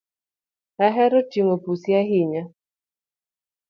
Ahero ting’o pusi ahinya